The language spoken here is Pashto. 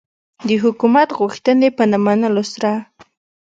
د حکومت غوښتنې په نه منلو سره.